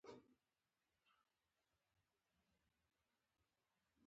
خو دوی نه غواړ چې نور وګړي هم له فرصتونو څخه استفاده وکړي